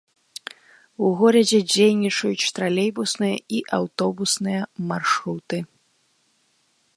У горадзе дзейнічаюць тралейбусныя і аўтобусныя маршруты.